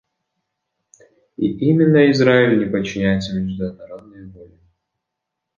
И именно Израиль не подчиняется международной воле.